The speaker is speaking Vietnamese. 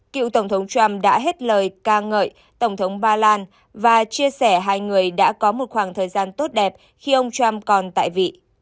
cựu tổng thống trump đã hết lời ca ngợi tổng thống ba lan và chia sẻ hai người đã có một khoảng thời gian tốt đẹp khi ông trump còn tại vị